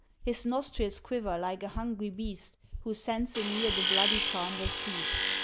His nostrils quiver like a hungry beast Who scents anear the bloody carnal feast.